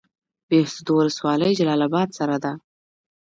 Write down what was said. بهسودو ولسوالۍ جلال اباد سره ده؟